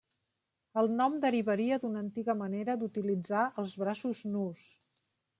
El nom derivaria d'una antiga manera d'utilitzar els braços nus.